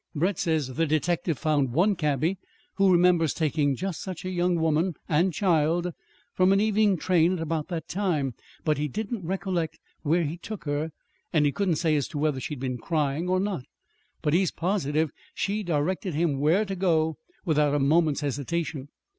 Brett says the detective found one cabby who remembered taking just such a young woman and child from an evening train at about that time. He didn't recollect where he took her, and he couldn't say as to whether she had been crying, or not; but he's positive she directed him where to go without a moment's hesitation.